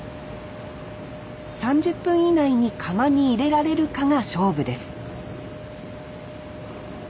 ３０分以内に釜に入れられるかが勝負です